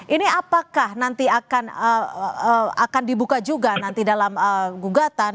ini apakah nanti akan dibuka juga nanti dalam gugatan